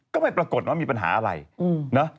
ก็ไม่ปรากฏว่ามีปัญหาอะไรนะ